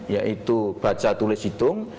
yaitu baca tulis hitung